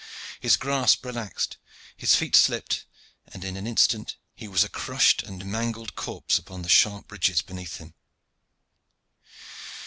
His grasp relaxed, his feet slipped, and in an instant he was a crushed and mangled corpse upon the sharp ridges beneath him.